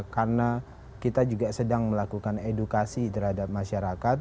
karena kita juga sedang melakukan edukasi terhadap masyarakat